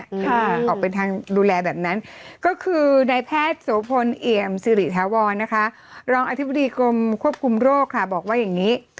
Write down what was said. ออกเป็นทางดูแลแบบนั้นก็คือในแพทย์โสพลเอี่ยมสิริถาวรนะคะรองอธิบดีกรมควบคุมโรคค่ะบอกว่าอย่างนี้